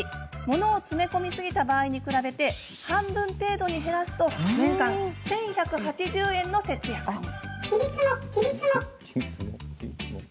物を詰め込みすぎた場合に比べて半分程度に減らすと年間１１８０円の節約に。